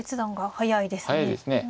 速いですね。